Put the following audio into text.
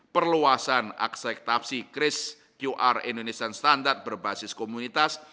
perluasan aksektasi kris qr indonesian standard berbasis komunitas